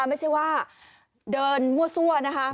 ไม่ใช่ว่าเดินมั่วซั่วนะคะ